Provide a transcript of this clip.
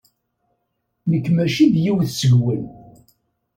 Nekk maci d yiwet seg-wen.